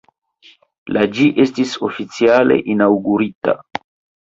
La ĝi estis oficiale inaŭgurita.